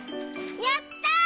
やった！